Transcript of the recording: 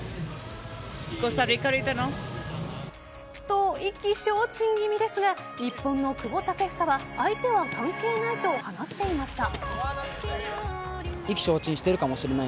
と、意気消沈気味ですが日本の久保建英は相手は関係ないと話していました。